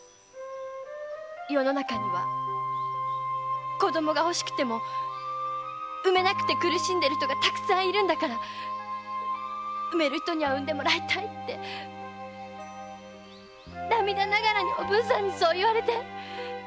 世の中には子供が欲しくても産めなくて苦しんでる人がたくさんいるんだから産める人には産んでもらいたいって涙ながらにおぶんさんにそう言われて。